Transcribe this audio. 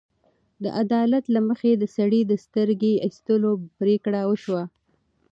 د عدالت له مخې د سړي د سترګې ایستلو پرېکړه وشوه.